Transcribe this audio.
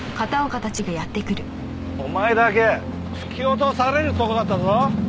お前だけ突き落とされるとこだったぞ！